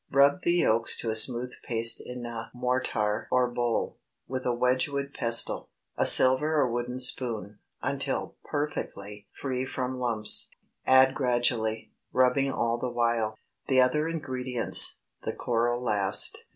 Rub the yolks to a smooth paste in a mortar or bowl, with a Wedgewood pestle, a silver or wooden spoon, until perfectly free from lumps. Add gradually, rubbing all the while, the other ingredients, the coral last.